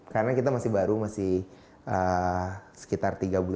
karena kita masih baru masih sekitar sepuluh tahun